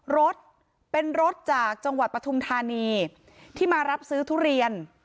รถเป็นรถจากจังหวัดปฐุมธานีที่มารับซื้อทุเรียน